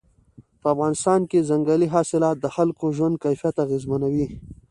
په افغانستان کې ځنګلي حاصلات د خلکو ژوند کیفیت اغېزمنوي.